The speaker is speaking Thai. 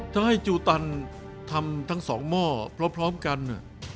ถ้าให้จูตันทำทั้งสองหม้อพร้อมกัน